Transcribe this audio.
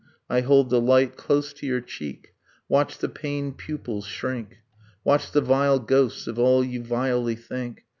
I hold the light Close to your cheek, watch the pained pupils shrink, Watch the vile ghosts of all you vilely think